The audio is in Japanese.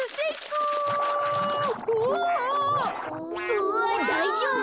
うわっだいじょうぶ？